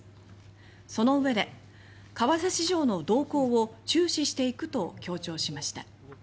そのうえで「為替市場の動向を注視していく」と強調しました。